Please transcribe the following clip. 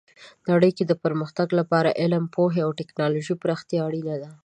نړۍ کې د پرمختګ لپاره د علم، پوهې او ټیکنالوژۍ پراختیا اړینه ده.